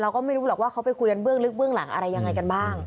ก็ไม่รู้หรอกว่าเขาไปคุยกันเบื้องลึกเบื้องหลังอะไรยังไงกันบ้าง